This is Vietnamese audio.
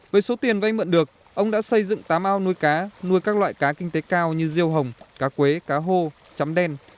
với số tiền vay mượn được ông đã xây dựng tám ao nuôi cá nuôi các loại cá kinh tế cao như riêu hồng cá quế cá hô chấm đen